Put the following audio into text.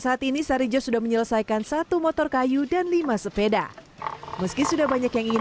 saat ini sarijo sudah menyelesaikan satu motor kayu dan lima sepeda meski sudah banyak yang ingin